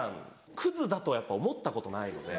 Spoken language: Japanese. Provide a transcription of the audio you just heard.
クズだとはやっぱ思ったことないので。